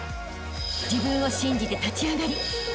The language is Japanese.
［自分を信じて立ち上がりあしたへ